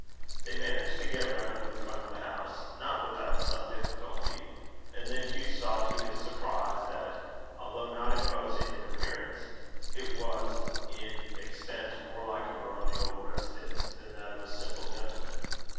They managed to get round to the front of the house, not without some difficulty; and then Hugh saw to his surprise that, although not imposing in appearance, it was in extent more like a baronial residence than that of a simple gentleman.